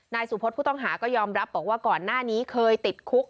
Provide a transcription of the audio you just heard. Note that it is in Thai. นายสุพศผู้ต้องหาก็ยอมรับบอกว่าก่อนหน้านี้เคยติดคุก